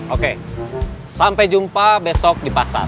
oke sampai jumpa besok di pasar